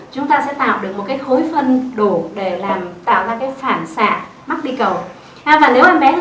chúng ta sẽ tạo được một cái khối phân đổ để làm tạo ra cái phản xạ mắc đi cầu và nếu em bé của